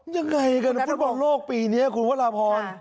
ยังไงกันฟุตบอลโลกปีนี้คุณพระราพร